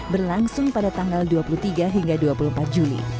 berlangsung pada tanggal dua puluh tiga hingga dua puluh empat juli